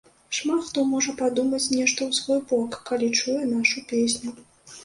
Шмат хто можа падумаць нешта ў свой бок, калі чуе нашу песню.